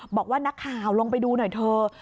บอกว่านักข่าวลงไปดูหน่อยเถอะ